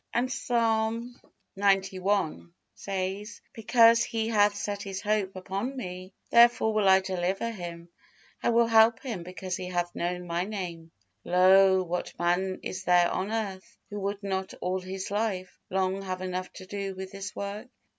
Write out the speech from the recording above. And Psalm xci says, "Because he hath set his hope upon Me, therefore will I deliver him: I will help him, because he hath known My Name." Lo! what man is there on earth, who would not all his life long have enough to do with this work?